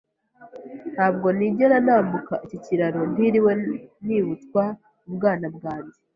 Ntabwo nigera nambuka iki kiraro ntiriwe nibutswa ubwana bwanjye.